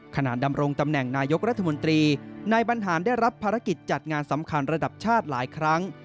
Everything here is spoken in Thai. ดำรงตำแหน่งนายกรัฐมนตรีนายบรรหารได้รับภารกิจจัดงานสำคัญระดับชาติหลายครั้ง